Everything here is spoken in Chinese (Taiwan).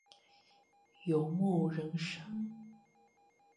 游牧人生